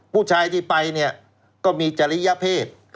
ผู้ชายที่ไปเนี่ยก็มีจริยเพศ